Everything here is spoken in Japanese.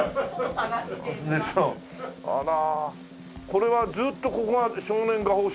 これはずっとここが少年画報社？